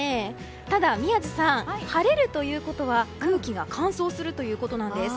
ただ宮司さん晴れるということは空気が乾燥するということなんです。